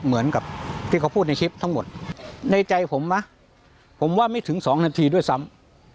เหมือนกับที่เขาพูดในคลิปทั้งหมดในใจผมมั้ยผมว่าไม่ถึงสองนาทีด้วยซ้ำ